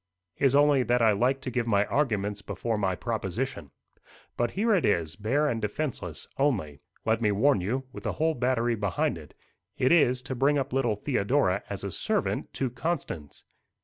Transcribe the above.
"Is only that I like to give my arguments before my proposition. But here it is bare and defenceless, only let me warn you with a whole battery behind it: it is, to bring up little Theodora as a servant to Constance."